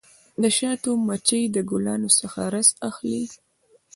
د شاتو مچۍ د ګلانو څخه رس اخلي.